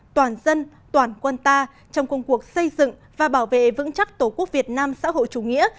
toàn dân toàn quân ta trong công cuộc xây dựng và bảo vệ vững chắc tổ quốc việt nam xã hội chủ nghĩa